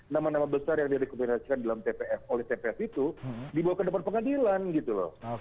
nama nama besar yang direkomendasikan oleh tpf itu dibawa ke depan pengadilan gitu loh